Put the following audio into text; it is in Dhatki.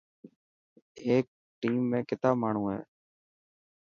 هيڪ ٽيم ۾ ڪتا ماڻهو هي.